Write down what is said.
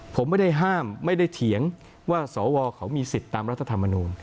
ผมไม่ได้ห้ามไม่ได้เถียงว่าสวเขามีสิทธิ์ตามรัฐธรรมนูล